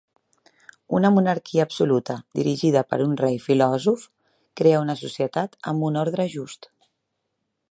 Una monarquia absoluta, dirigida per un rei filòsof, crea una societat amb un ordre just.